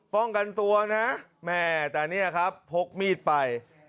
ป้องกันตัวนะแม่แต่เนี่ยครับพกมีดไป